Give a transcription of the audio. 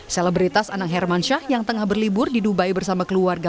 selebritas anang hermansyah yang tengah berlibur di dubai bersama keluarga